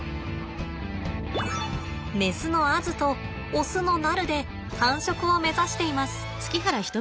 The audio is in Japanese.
メスのアズとオスのナルで繁殖を目指しています。